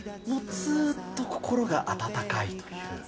ずっと心が温かいという。